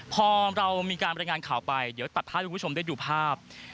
พอเรามีการบรรยายงานข่าวไปเดี๋ยวตัดภาพให้คุณผู้ชมได้ดูภาพ